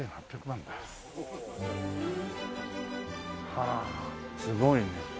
はあすごいね。